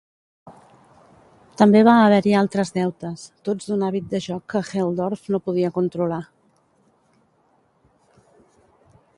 També va haver-hi altres deutes, tots d'un hàbit de joc que Helldorff no podia controlar.